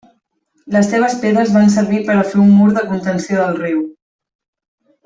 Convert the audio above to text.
Les seves pedres van servir per a fer un mur de contenció del riu.